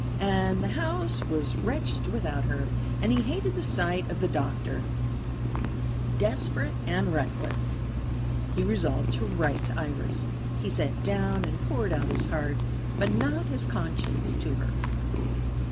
And the house was wretched without her; and he hated the sight of the doctor desperate and reckless. He resolved to write to Iris: he sat down and poured out his heart, but not his conscience, to her.